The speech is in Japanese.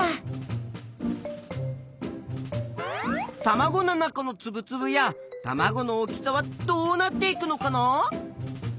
たまごの中のつぶつぶやたまごの大きさはどうなっていくのかな。